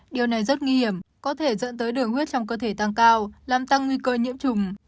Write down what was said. điều này rất nguy hiểm có thể dẫn tới đường huyết trong cơ thể tăng cao làm tăng nguy cơ nhiễm trùng